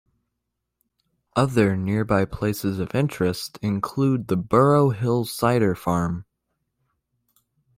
Other nearby places of interest include the Burrow Hill Cider Farm.